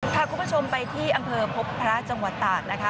พาคุณผู้ชมไปที่อำเภอพบพระจังหวัดตากนะคะ